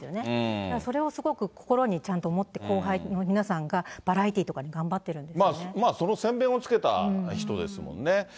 だからそれを心にちゃんと持って後輩の皆さんがバラエティとかでその先べんをつけた人ですもんね。